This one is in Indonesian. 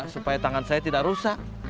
supaya tangan saya tidak rusak